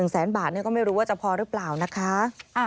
แสนบาทก็ไม่รู้ว่าจะพอหรือเปล่านะคะ